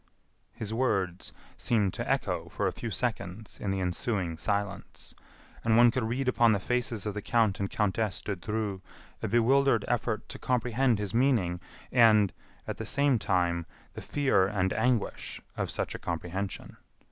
His words seemed to echo for a few seconds in the ensuing silence, and one could read upon the faces of the Count and Countess de Dreux a bewildered effort to comprehend his meaning and, at the same time, the fear and anguish of such a comprehension.